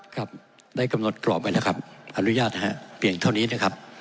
ครับได้กำหนดกรอบไว้แล้วครับอนุญาตนะฮะเพียงเท่านี้นะครับ